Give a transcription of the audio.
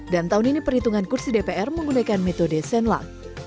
dan tahun ini perhitungan kursi dpr menggunakan metode sen lang